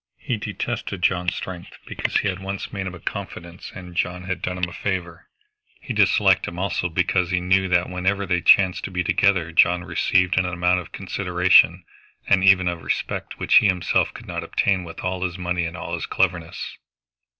He detested John's strength because he had once made him a confidence and John had done him a favor. He disliked him also because he knew that wherever they chanced to be together John received an amount of consideration and even of respect which he himself could not obtain with all his money and all his cleverness.